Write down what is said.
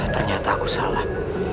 ternyata aku salah